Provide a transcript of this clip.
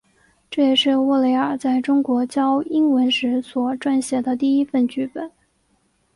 这也是沃雷尔在中国教英文时所撰写的第一份剧本。